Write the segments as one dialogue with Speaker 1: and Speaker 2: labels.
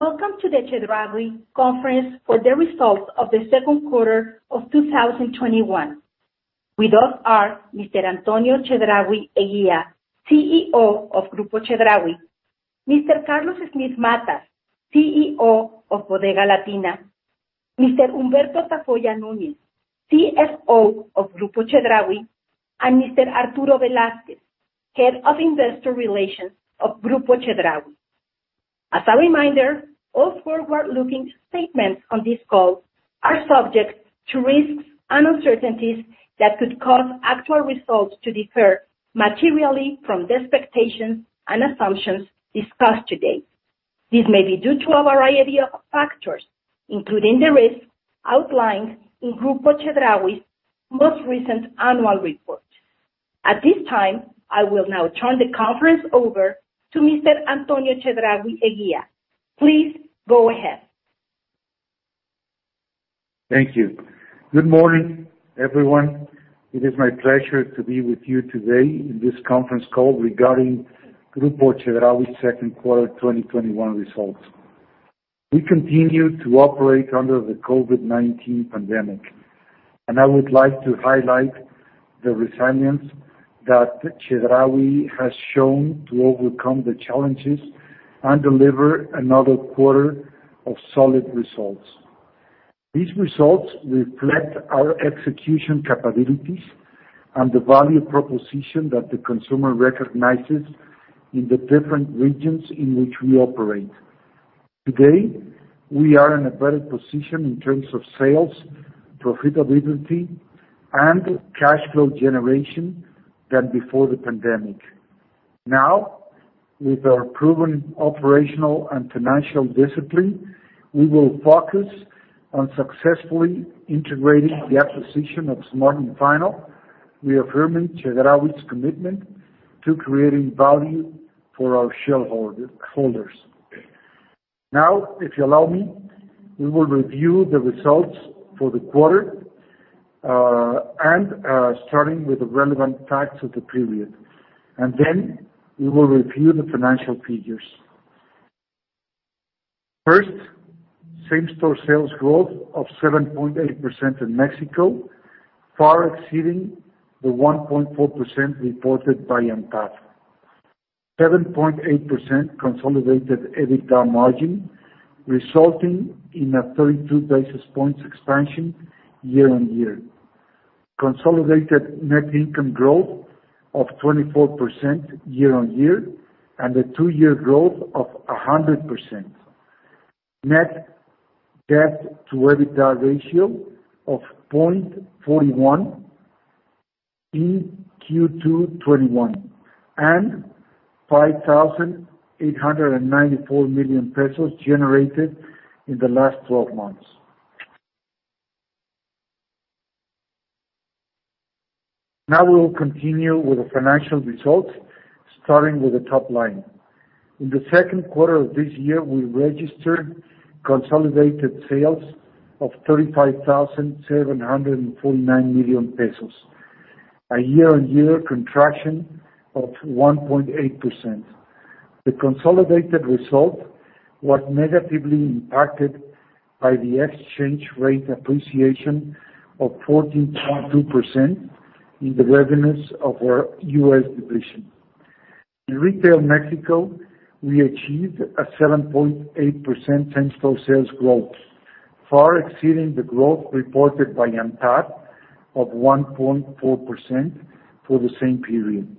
Speaker 1: Welcome to the Chedraui conference for the results of the second quarter of 2021. With us are Mr. Antonio Chedraui Eguía, CEO of Grupo Chedraui, Mr. Carlos Smith Matas, CEO of Bodega Latina, Mr. Humberto Tafolla Núñez, CFO of Grupo Chedraui, and Mr. Arturo Velázquez, Head of Investor Relations of Grupo Chedraui. As a reminder, all forward-looking statements on this call are subject to risks and uncertainties that could cause actual results to differ materially from the expectations and assumptions discussed today. This may be due to a variety of factors, including the risks outlined in Grupo Chedraui's most recent annual report. At this time, I will now turn the conference over to Mr. Antonio Chedraui Eguía. Please go ahead.
Speaker 2: Thank you. Good morning, everyone. It is my pleasure to be with you today in this conference call regarding Grupo Chedraui second quarter 2021 results. We continue to operate under the COVID-19 pandemic. I would like to highlight the resilience that Chedraui has shown to overcome the challenges and deliver another quarter of solid results. These results reflect our execution capabilities and the value proposition that the consumer recognizes in the different regions in which we operate. Today, we are in a better position in terms of sales, profitability, and cash flow generation than before the pandemic. With our proven operational and financial discipline, we will focus on successfully integrating the acquisition of Smart & Final, reaffirming Chedraui's commitment to creating value for our shareholders. If you allow me, we will review the results for the quarter, starting with the relevant facts of the period. We will review the financial figures. First, same-store sales growth of 7.8% in Mexico, far exceeding the 1.4% reported by ANTAD. 7.8% consolidated EBITDA margin, resulting in a 32 basis points expansion year-on-year. Consolidated net income growth of 24% year-on-year, and a two-year growth of 100%. Net debt to EBITDA ratio of 0.41x in Q2 2021, and 5,894 million pesos generated in the last 12 months. We will continue with the financial results, starting with the top line. In the second quarter of this year, we registered consolidated sales of 35,749 million pesos, a year-on-year contraction of 1.8%. The consolidated result was negatively impacted by the exchange rate appreciation of 14.2% in the revenues of our U.S. division. In retail Mexico, we achieved a 7.8% same-store sales growth, far exceeding the growth reported by ANTAD of 1.4% for the same period.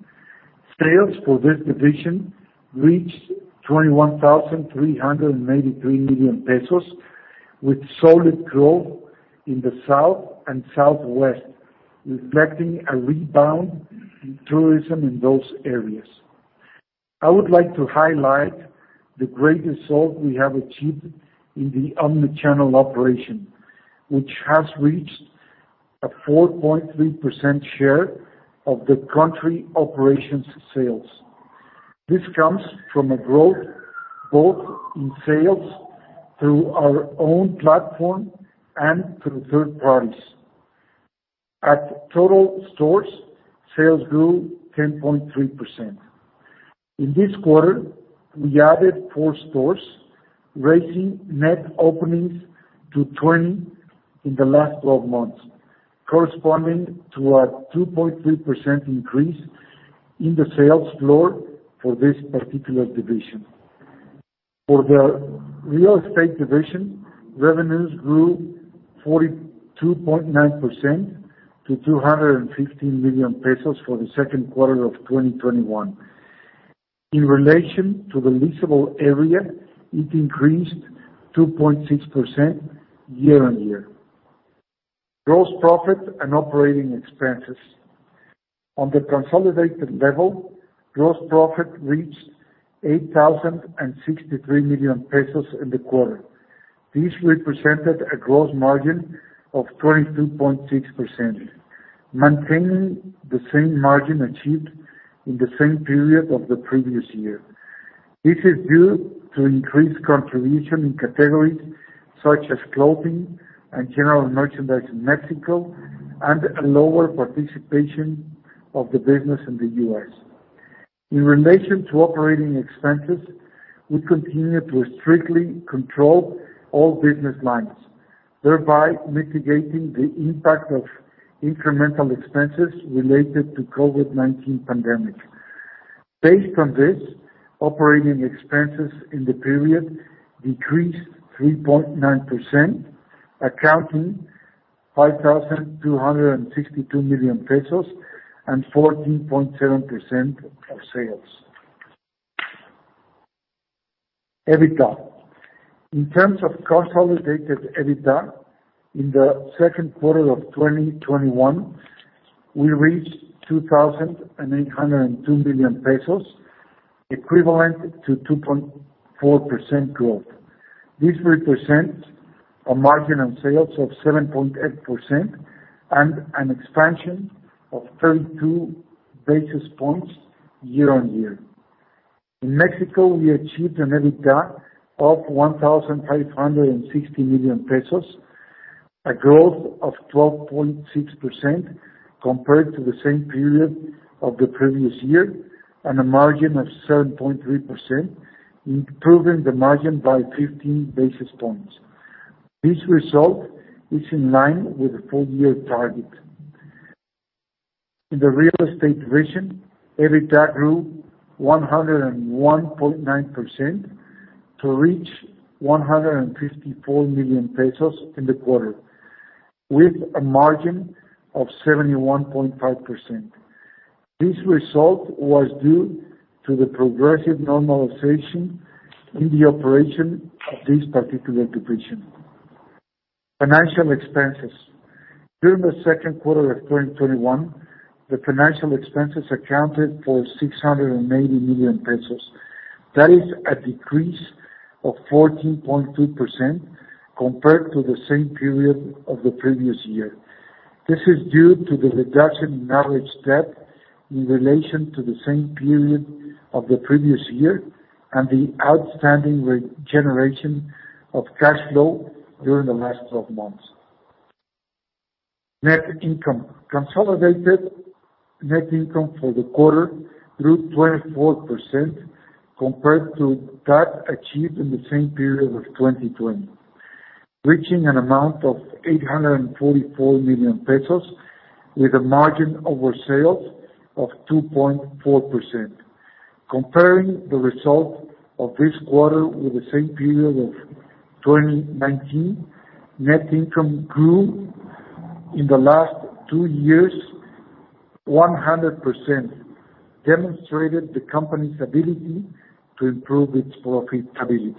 Speaker 2: Sales for this division reached 21,383 million pesos, with solid growth in the South and Southwest, reflecting a rebound in tourism in those areas. I would like to highlight the great result we have achieved in the omni-channel operation, which has reached a 4.3% share of the country operations sales. This comes from a growth both in sales through our own platform and through third parties. At total stores, sales grew 10.3%. In this quarter, we added four stores, raising net openings to 20 in the last 12 months, corresponding to a 2.3% increase in the sales floor for this particular division. For the real estate division, revenues grew 42.9% to 215 million pesos for the second quarter of 2021. In relation to the leasable area, it increased 2.6% year-on-year. Gross profit and operating expenses. On the consolidated level, gross profit reached 8,063 million pesos in the quarter. This represented a gross margin of 22.6%, maintaining the same margin achieved in the same period of the previous year. This is due to increased contribution in categories such as clothing and general merchandise in Mexico, and a lower participation of the business in the U.S. In relation to operating expenses, we continue to strictly control all business lines, thereby mitigating the impact of incremental expenses related to COVID-19 pandemic. Based on this, operating expenses in the period decreased 3.9%, accounting MXN 5,262 million and 14.7% of sales. EBITDA. In terms of consolidated EBITDA, in the second quarter of 2021, we reached 2,802 million pesos, equivalent to 2.4% growth. This represents a margin on sales of 7.8% and an expansion of 32 basis points year-on-year. In Mexico, we achieved an EBITDA of 1,560 million pesos, a growth of 12.6% compared to the same period of the previous year, and a margin of 7.3%, improving the margin by 15 basis points. This result is in line with the full year target. In the real estate division, EBITDA grew 101.9% to reach 154 million pesos in the quarter, with a margin of 71.5%. This result was due to the progressive normalization in the operation of this particular division. Financial expenses. During the second quarter of 2021, the financial expenses accounted for 680 million pesos. That is a decrease of 14.3% compared to the same period of the previous year. This is due to the reduction in average debt in relation to the same period of the previous year, and the outstanding generation of cash flow during the last 12 months. Net income. Consolidated net income for the quarter grew 24% compared to that achieved in the same period of 2020, reaching an amount of 844 million pesos with a margin over sales of 2.4%. Comparing the result of this quarter with the same period of 2019, net income grew in the last two years 100%, demonstrating the company's ability to improve its profitability.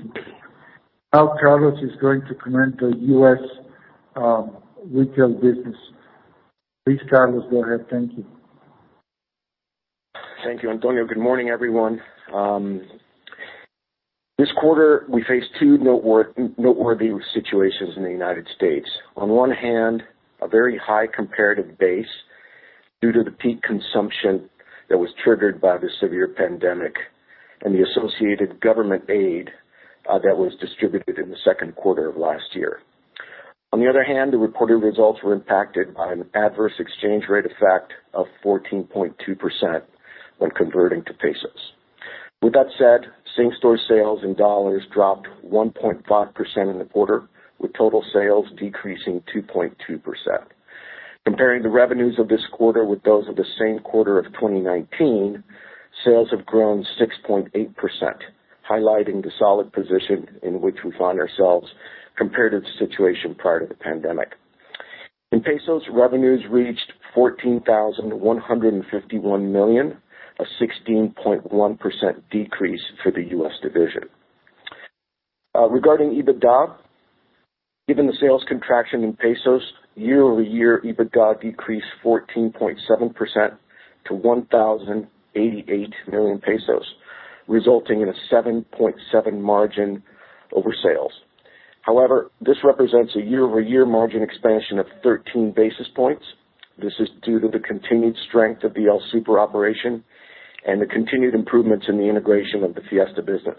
Speaker 2: Carlos is going to comment the U.S. retail business. Please, Carlos, go ahead. Thank you.
Speaker 3: Thank you, Antonio. Good morning, everyone. This quarter, we face two noteworthy situations in the United States. On one hand, a very high comparative base due to the peak consumption that was triggered by the severe pandemic and the associated government aid that was distributed in the second quarter of last year. On the other hand, the reported results were impacted by an adverse exchange rate effect of 14.2% when converting to pesos. With that said, same-store sales in dollars dropped 1.5% in the quarter, with total sales decreasing 2.2%. Comparing the revenues of this quarter with those of the same quarter of 2019, sales have grown 6.8%, highlighting the solid position in which we find ourselves compared to the situation prior to the pandemic. In pesos, revenues reached 14,151 million, a 16.1% decrease for the U.S. division. Regarding EBITDA, given the sales contraction in pesos year-over-year, EBITDA decreased 14.7% to 1,088 million pesos, resulting in a 7.7% margin over sales. However, this represents a year-over-year margin expansion of 13 basis points. This is due to the continued strength of the El Super operation and the continued improvements in the integration of the Fiesta business.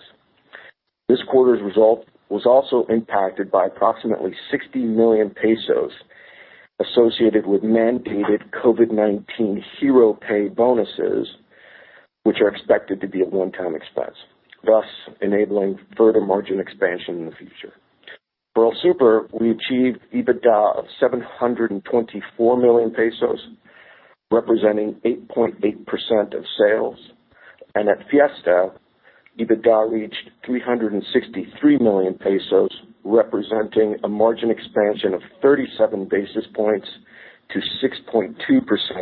Speaker 3: This quarter's result was also impacted by approximately 60 million pesos associated with mandated COVID-19 hero pay bonuses, which are expected to be a one-time expense, thus enabling further margin expansion in the future. For El Super, we achieved EBITDA of 724 million pesos, representing 8.8% of sales. At Fiesta, EBITDA reached 363 million pesos, representing a margin expansion of 37 basis points to 6.2%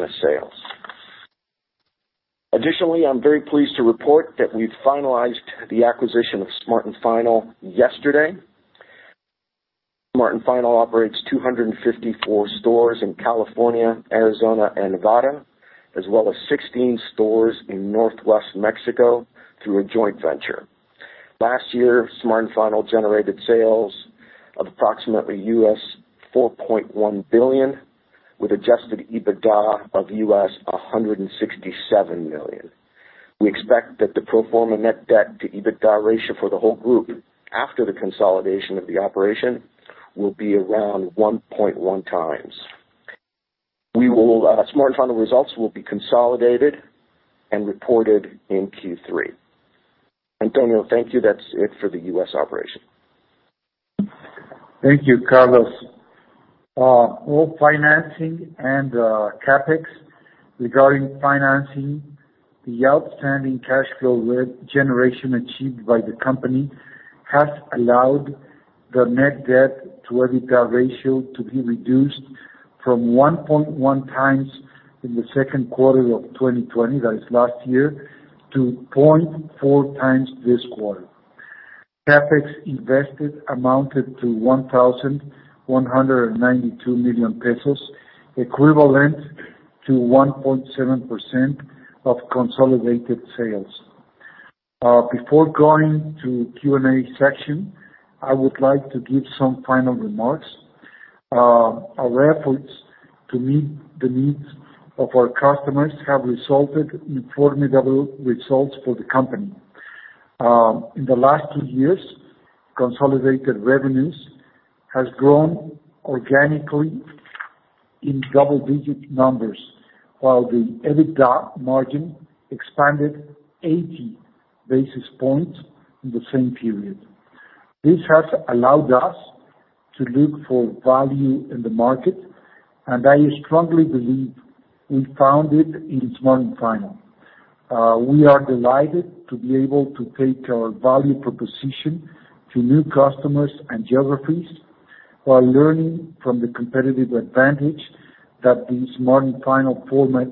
Speaker 3: of sales. Additionally, I'm very pleased to report that we finalized the acquisition of Smart & Final yesterday. Smart & Final operates 254 stores in California, Arizona, and Nevada, as well as 16 stores in Northwest Mexico through a joint venture. Last year, Smart & Final generated sales of approximately $4.1 billion with adjusted EBITDA of $167 million. We expect that the pro forma net debt to EBITDA ratio for the whole group after the consolidation of the operation will be around 1.1x. Smart & Final results will be consolidated and reported in Q3. Antonio, thank you. That's it for the U.S. operation.
Speaker 2: Thank you, Carlos. All financing and CapEx. Regarding financing, the outstanding cash flow generation achieved by the company has allowed the net debt to EBITDA ratio to be reduced from 1.1x in the second quarter of 2020, that is last year, to 0.4x this quarter. CapEx invested amounted to 1,192 million pesos, equivalent to 1.7% of consolidated sales. Before going to Q&A session, I would like to give some final remarks. Our efforts to meet the needs of our customers have resulted in formidable results for the company. In the last two years, consolidated revenues has grown organically in double-digit numbers while the EBITDA margin expanded 80 basis points in the same period. This has allowed us to look for value in the market, I strongly believe we found it in Smart & Final. We are delighted to be able to take our value proposition to new customers and geographies while learning from the competitive advantage that the Smart & Final format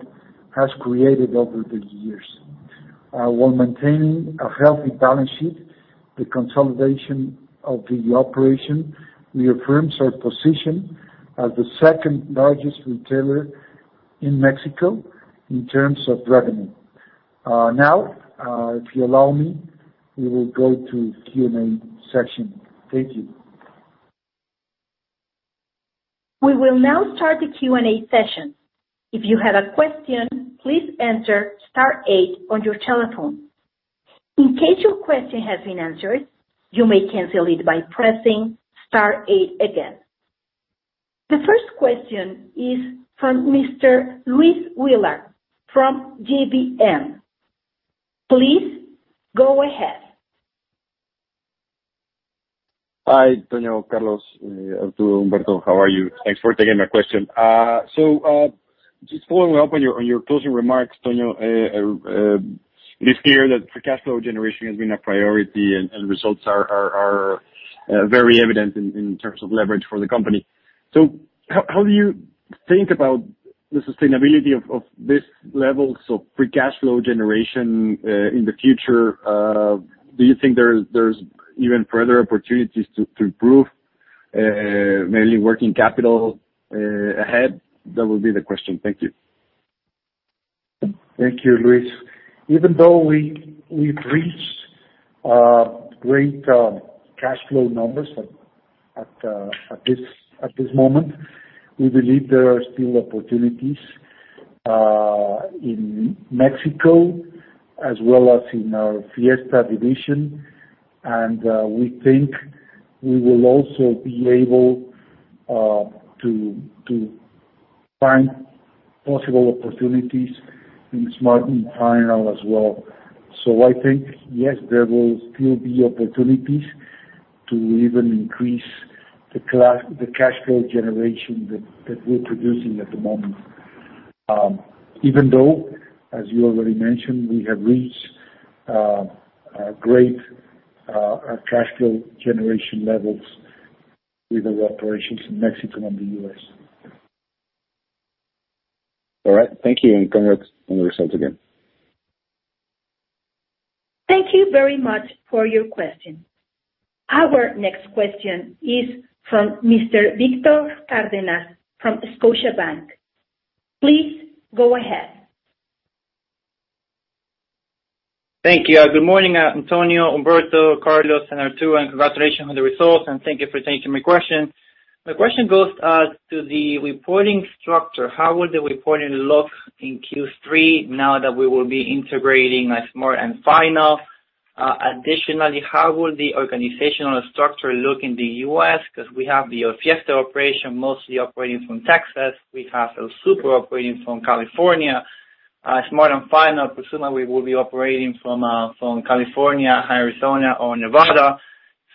Speaker 2: has created over the years. While maintaining a healthy balance sheet, the consolidation of the operation reaffirms our position as the second-largest retailer in Mexico in terms of revenue. If you allow me, we will go to Q&A session. Thank you.
Speaker 1: We will now start the Q&A session. If you have a question, please enter star eight on your telephone. In case your question has been answered, you may cancel it by pressing star eight again. The first question is from Mr. Luis Willard from GBM. Please go ahead.
Speaker 4: Hi, Antonio, Carlos, Arturo, Humberto. How are you? Thanks for taking my question. Just following up on your closing remarks, Antonio, it is clear that the cash flow generation has been a priority and results are very evident in terms of leverage for the company. Do you think there's even further opportunities to improve, mainly working capital ahead? That would be the question. Thank you.
Speaker 2: Thank you, Luis. Even though we've reached great cash flow numbers at this moment, we believe there are still opportunities in Mexico as well as in our Fiesta division. We think we will also be able to find possible opportunities in Smart & Final as well. I think, yes, there will still be opportunities to even increase the cash flow generation that we're producing at the moment. Even though, as you already mentioned, we have reached great cash flow generation levels with our operations in Mexico and the U.S.
Speaker 4: All right. Thank you, and congrats on the results again.
Speaker 1: Thank you very much for your question. Our next question is from Mr. Víctor Cárdenas from Scotiabank. Please go ahead.
Speaker 5: Thank you. Good morning, Antonio, Humberto, Carlos, and Arturo, and congratulations on the results, and thank you for taking my question. My question goes to the reporting structure. How would the reporting look in Q3 now that we will be integrating Smart & Final? Additionally, how will the organizational structure look in the U.S.? We have the Fiesta operation mostly operating from Texas. We have El Super operating from California. Smart & Final, presumably, will be operating from California, Arizona, or Nevada.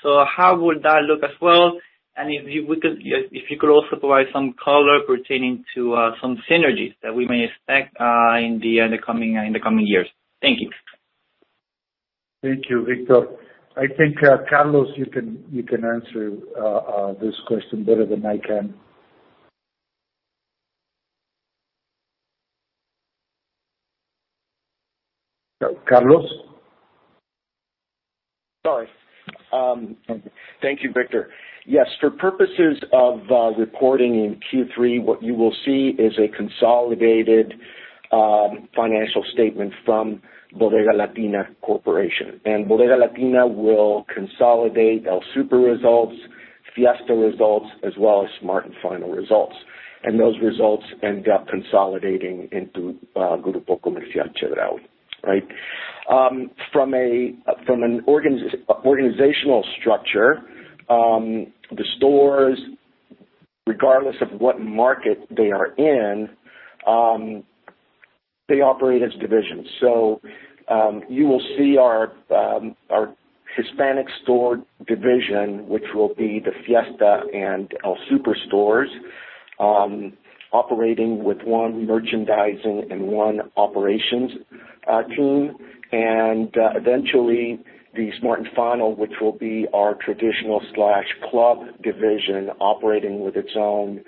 Speaker 5: How would that look as well? If you could also provide some color pertaining to some synergies that we may expect in the coming years. Thank you.
Speaker 2: Thank you, Víctor. I think, Carlos, you can answer this question better than I can. Carlos?
Speaker 3: Sorry. Thank you, Víctor. Yes. For purposes of reporting in Q3, what you will see is a consolidated financial statement from Bodega Latina Corporation. Bodega Latina will consolidate El Super results, Fiesta results, as well as Smart & Final results. Those results end up consolidating into Grupo Comercial Chedraui, right? From an organizational structure, the stores, regardless of what market they are in, they operate as divisions. You will see our Hispanic store division, which will be the Fiesta and El Super stores, operating with one merchandising and one operations team, and eventually the Smart & Final, which will be our traditional/club division operating with its own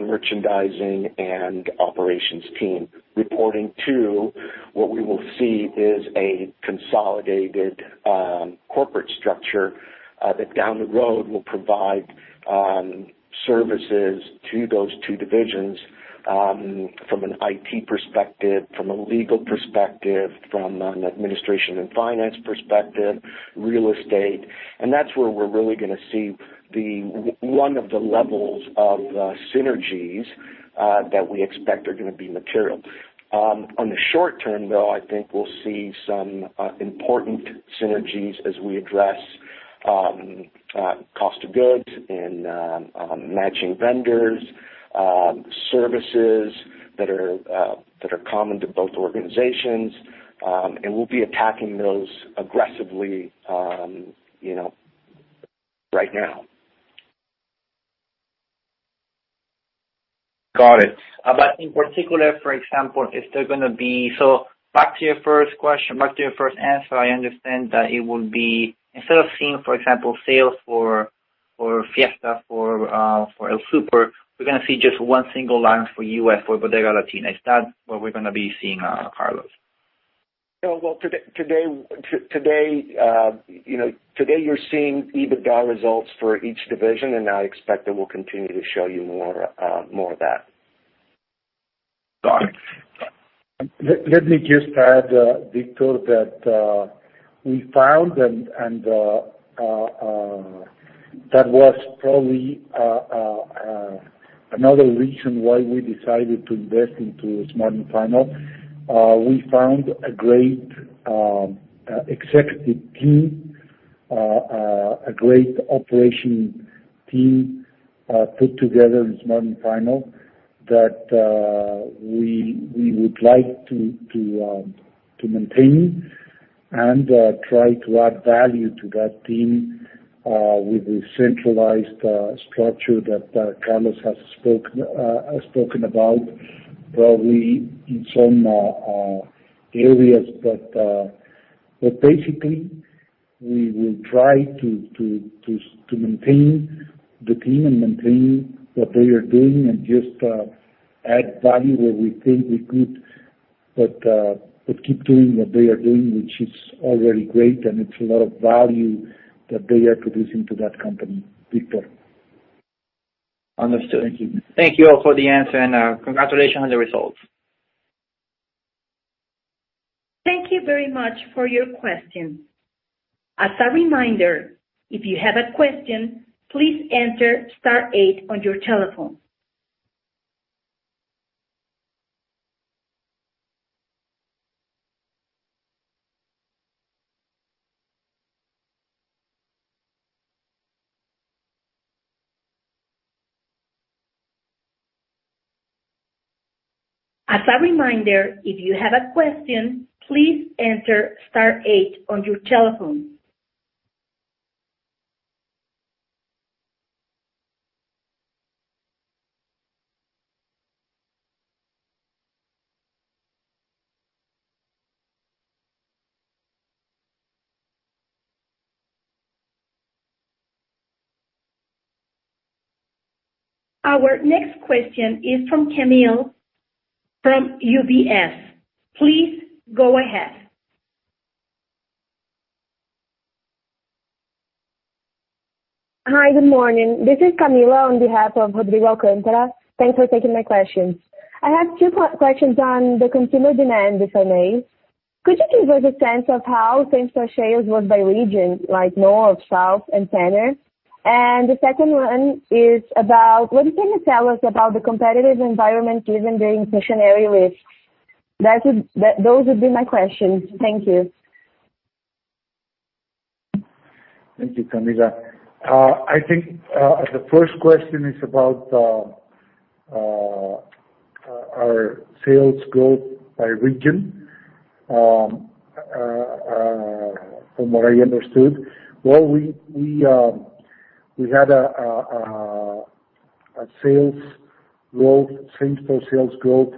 Speaker 3: merchandising and operations team, reporting to what we will see is a consolidated corporate structure that down the road will provide services to those two divisions, from an IT perspective, from a legal perspective, from an administration and finance perspective, real estate, and that's where we're really going to see one of the levels of synergies that we expect are going to be material. On the short term, though, I think we'll see some important synergies as we address cost of goods and matching vendors, services that are common to both organizations. We'll be attacking those aggressively right now.
Speaker 5: Got it. In particular, for example, back to your first answer, I understand that it will be, instead of seeing, for example, sales for Fiesta or for El Super, we're going to see just one single line for U.S. for Bodega Latina. Is that what we're going to be seeing, Carlos?
Speaker 3: Well, today you're seeing EBITDA results for each division, and I expect that we'll continue to show you more of that.
Speaker 5: Got it.
Speaker 2: Let me just add, Víctor, that we found, and that was probably another reason why we decided to invest into Smart & Final. We found a great executive team, a great operation team put together in Smart & Final that we would like to maintain and try to add value to that team with the centralized structure that Carlos has spoken about, probably in some areas. Basically, we will try to maintain the team and maintain what they are doing and just add value where we think we could. Keep doing what they are doing, which is already great, and it's a lot of value that they are producing to that company, Víctor.
Speaker 5: Understood.
Speaker 2: Thank you.
Speaker 5: Thank you all for the answer, and congratulations on the results.
Speaker 1: Thank you very much for your question. As a reminder, if you have a question, please enter star eight on your telephone. As a reminder, if you have a question, please enter star eight on your telephone. Our next question is from [Camila] from UBS. Please go ahead.
Speaker 6: Hi, good morning. This is [Camila] on behalf of Rodrigo Alcantara. Thanks for taking my questions. I have two questions on the consumer demand, if I may. Could you give us a sense of how same-store sales was by region, like North, South, and Center? The second one is about what you can tell us about the competitive environment given the inflationary risk? Those would be my questions. Thank you.
Speaker 2: Thank you, Camila. I think the first question is about our sales growth by region, from what I understood. Well, we had a same-store sales growth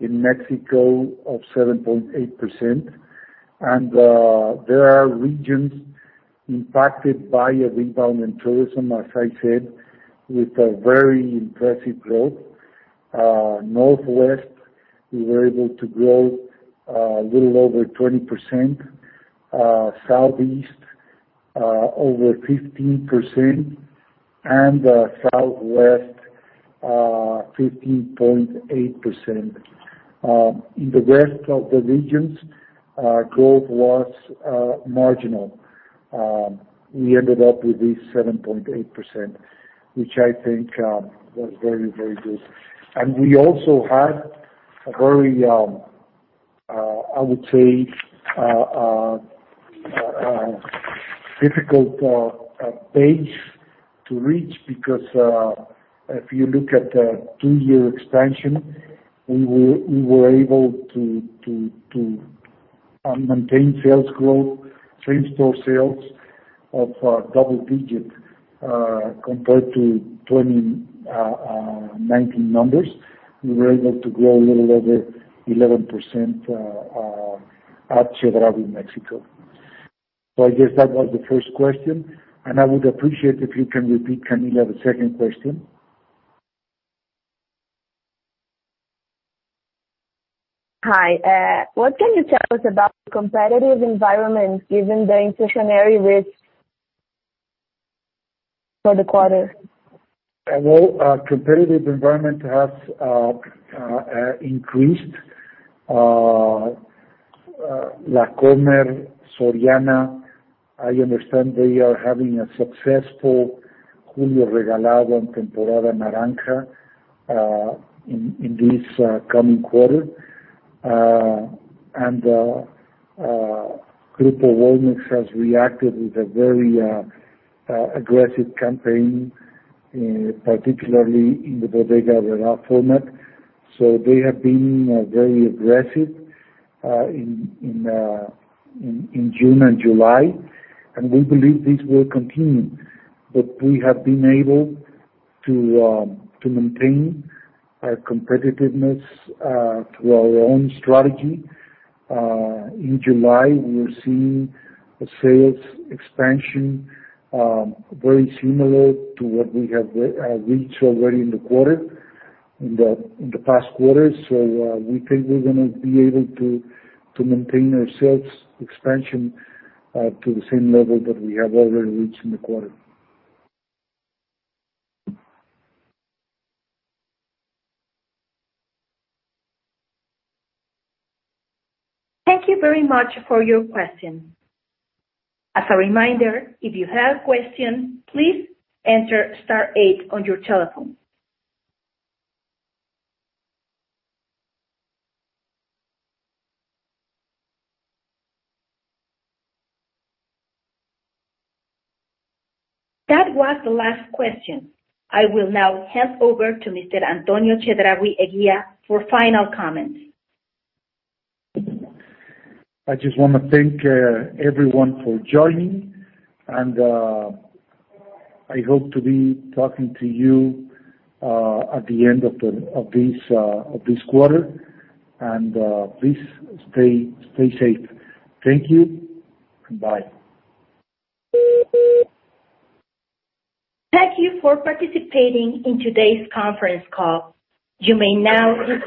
Speaker 2: in Mexico of 7.8%. There are regions impacted by inbound tourism, as I said, with a very impressive growth. Northwest, we were able to grow a little over 20%, Southeast over 15%, Southwest 15.8%. In the rest of the regions, growth was marginal. We ended up with this 7.8%, which I think was very good. We also had a very, I would say, difficult page to reach because if you look at the two-year expansion, we were able to maintain sales growth, same-store sales of double-digit compared to 2019 numbers. We were able to grow a little over 11% at Chedraui Mexico. I guess that was the first question, and I would appreciate if you can repeat, Camila, the second question.
Speaker 6: Hi. What can you tell us about the competitive environment given the inflationary risks for the quarter?
Speaker 2: Well, competitive environment has increased. La Comer, Soriana, I understand they are having a successful in this coming quarter. Grupo Walmex has reacted with a very aggressive campaign, particularly in the Bodega Aurrerá format. They have been very aggressive in June and July, and we believe this will continue. We have been able to maintain our competitiveness through our own strategy. In July, we will see a sales expansion very similar to what we have reached already in the past quarters. We think we're going to be able to maintain our sales expansion to the same level that we have already reached in the quarter.
Speaker 1: Thank you very much for your question. As a reminder, if you have a question, please enter star eight on your telephone. That was the last question. I will now hand over to Mr. Antonio Chedraui Eguía for final comments.
Speaker 2: I just want to thank everyone for joining, and I hope to be talking to you at the end of this quarter. Please stay safe. Thank you. Goodbye.
Speaker 1: Thank you for participating in today's conference call. You may now disconnect.